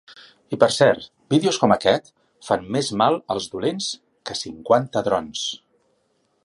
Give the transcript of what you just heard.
I per cert, vídeos com aquest fan més mal als dolents que cinquanta drons.